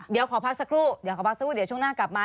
เดี๋ยวขอพักสักครู่เดี๋ยวขอพักสักครู่เดี๋ยวช่วงหน้ากลับมา